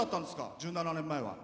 １７年前は。